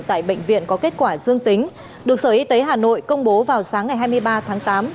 tại bệnh viện có kết quả dương tính được sở y tế hà nội công bố vào sáng ngày hai mươi ba tháng tám